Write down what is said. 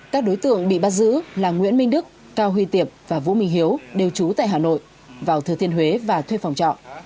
các đối tượng bị bắt giữ là nguyễn minh đức cao huy tiệp và vũ minh hiếu đều trú tại hà nội vào thừa thiên huế và thuê phòng trọ